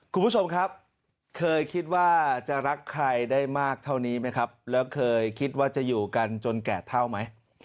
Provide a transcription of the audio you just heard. คุณผู้ชมครับเคยคิดว่าจะรักใครได้มากเท่านี้ไหมครับแล้วเคยคิดว่าจะอยู่กันจนแก่เท่าไหม